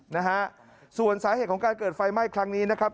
นะฮะส่วนสาเหตุของการเกิดไฟไหม้ครั้งนี้นะครับ